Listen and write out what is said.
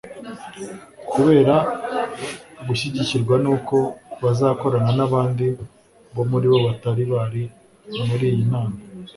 kubera gushyigikirwa n'uko bazakorana n'abandi bo muri bo batari bari muri iyi nama